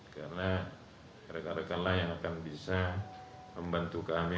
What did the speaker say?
karena rekan rekanlah yang akan bisa membantu kami